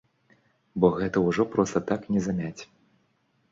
Бо гэта ўжо проста так не замяць.